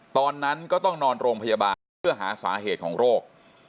ตอนนั้นก็ต้องนอนโรงพยาบาลเพื่อหาสาเหตุของโรค